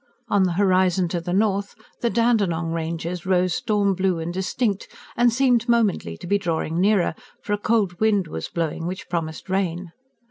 On the horizon to the north, the Dandenong Ranges rose storm blue and distinct, and seemed momently to be drawing nearer; for a cold wind was blowing, which promised rain.